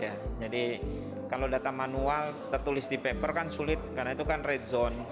jadi kalau data manual tertulis di paper kan sulit karena itu kan red zone